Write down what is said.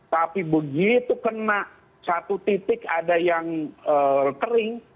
tapi begitu kena satu titik ada yang kering